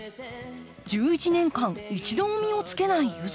１１年間１度も実をつけないユズ。